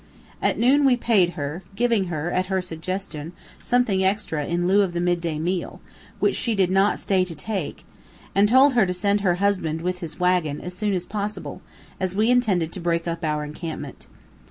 At noon we paid her (giving her, at her suggestion, something extra in lieu of the midday meal, which she did not stay to take), and told her to send her husband, with his wagon, as soon as possible, as we intended to break up our encampment.